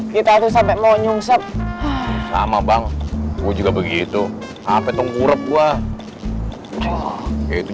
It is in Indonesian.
kita tuh sampai monyongsep sama bang gua juga begitu hp tengkurap gua kayak itu